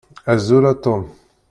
Azul a Tom.